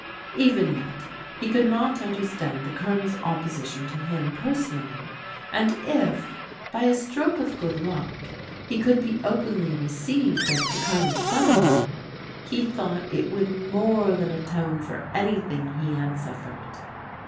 Even yet, he could not understand the Colonel's opposition to him personally, and if, by a stroke of good luck, he could be openly received as the Colonel's son in law, he thought it would more than atone for any thing he had suffered.